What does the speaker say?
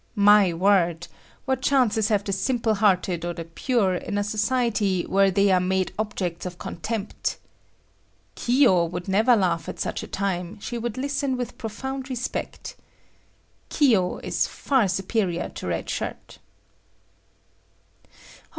My word! what chances have the simple hearted or the pure in a society where they are made objects of contempt! Kiyo would never laugh at such a time; she would listen with profound respect. Kiyo is far superior to Red Shirt.